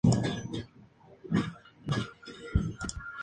Lawrie fue entonces comisionado como miembro del Consejo.